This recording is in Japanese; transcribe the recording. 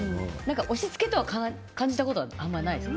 押しつけと感じたことはあんまりないです。